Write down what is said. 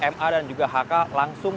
ma dan juga hk langsung